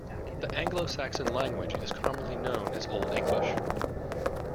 The Anglo-Saxon language is commonly known as Old English.